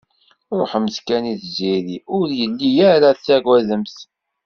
Ruḥemt kan i tziri, ur yelli ara tagademt.